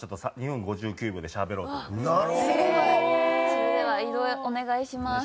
それでは移動お願いします。